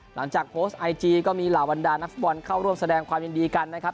หลังจากโพสต์ไอจีก็มีเหล่าบรรดานักฟุตบอลเข้าร่วมแสดงความยินดีกันนะครับ